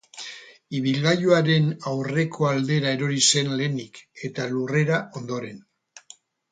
Ibilgailuaren aurreko aldera erori zen lehenik eta lurrera ondoren.